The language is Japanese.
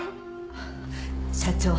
社長。